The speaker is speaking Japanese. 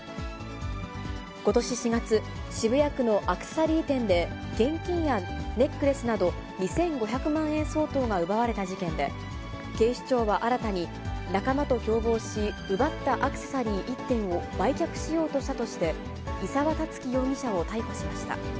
ことし４月、渋谷区のアクセサリー店で、現金やネックレスなど、２５００万円相当が奪われた事件で、警視庁は新たに、仲間と共謀し、奪ったアクセサリー１点を売却しようとしたとして、伊沢龍樹容疑者を逮捕しました。